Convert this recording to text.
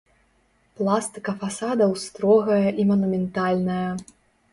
Пластыка фасадаў строгая і манументальная.